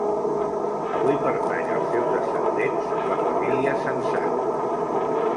Avui pertany als seus descendents, la família Sensat.